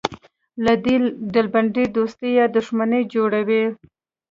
له دې ډلبندۍ دوستي یا دښمني جوړوو.